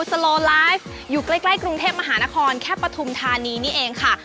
สโลไลฟ์อยู่ใกล้กรุงเทพมหานครแค่ปฐุมธานีนี่เองค่ะ